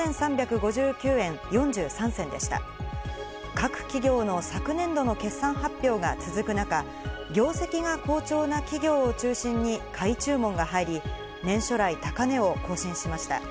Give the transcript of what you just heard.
各企業の昨年度の決算発表が続く中、業績が好調な企業を中心に買い注文が入り、年初来高値を更新しました。